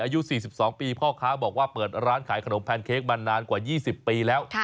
อายุ๔๒ปีพ่อค้าบอกว่าเปิดร้านขายขนมแพนเค้กมานานกว่า๒๐ปีแล้ว